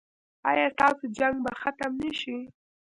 ایا ستاسو جنګ به ختم نه شي؟